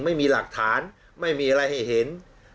ไม่มีหลักฐานไม่มีอะไรให้เห็น